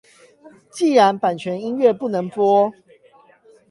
既然版權音樂不能播